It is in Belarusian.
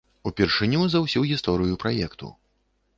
Упершыню за ўсю гісторыю праекту.